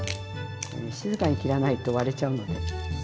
静かに切らないと割れちゃうので。